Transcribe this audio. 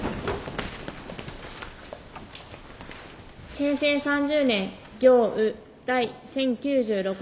平成３０年行ウ第１０９６号。